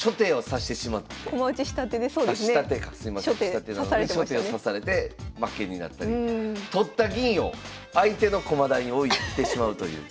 下手なのに初手を指されて負けになったり取った銀を相手の駒台に置いてしまうという。